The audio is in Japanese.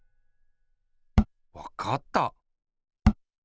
わかった！